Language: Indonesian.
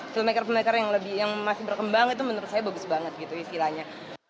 filmmaker filmmaker yang masih berkembang itu menurut saya bagus banget gitu istilahnya